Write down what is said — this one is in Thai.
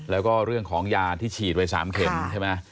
แล้วก็เรื่องของยาที่ฉีดไว้สามเข็ม